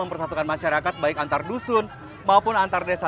mempersatukan masyarakat antar dusun dan desa